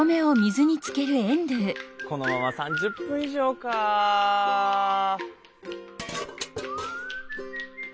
このまま３０分以上かあ。